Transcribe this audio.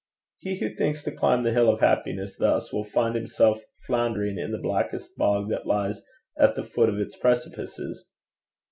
He who thinks to climb the hill of happiness thus, will find himself floundering in the blackest bog that lies at the foot of its precipices.